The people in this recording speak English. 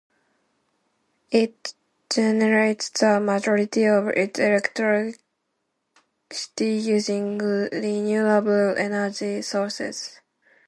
It generates the majority of its electricity using renewable energy sources.